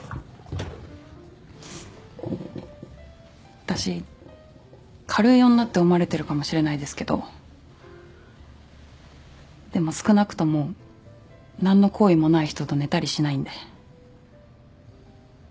私軽い女って思われてるかもしれないですけどでも少なくとも何の好意もない人と寝たりしないんで。